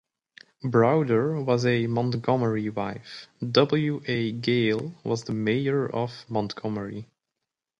Browder was a Montgomery wife; W. A. Gayle was the mayor of Montgomery.